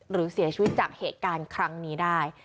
หรือเสียชีวิตจากเหตุการณ์ครั้งนี้ได้